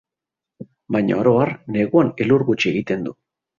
Baina, oro har, neguan elur gutxi egiten du.